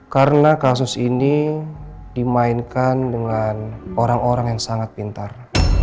karena kasus ini dimainkan dengan orang orang yang sangat pintar